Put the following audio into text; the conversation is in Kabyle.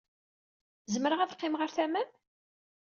Zemreɣ ad qqimeɣ ɣer tama-m?